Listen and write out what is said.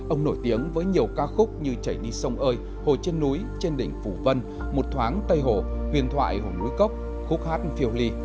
ông nổi tiếng với nhiều ca khúc như chảy đi sông ơi hồ trên núi trên đỉnh phủ vân một thoáng tây hồ huyền thoại hồ núi cốc khúc hát phiều ly